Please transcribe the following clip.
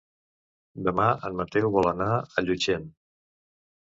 Demà en Mateu vol anar a Llutxent.